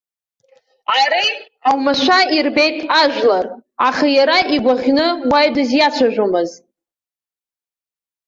Ари оумашәа ирбеит ажәлар, аха иара игәаӷьны уаҩ дызиацәажәомызт.